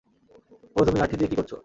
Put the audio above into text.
ওহ তুমি লাঠি দিয়ে কি করছো?